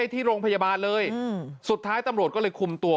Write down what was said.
ที่โรงพยาบาลเลยสุดท้ายตำรวจก็เลยคุมตัว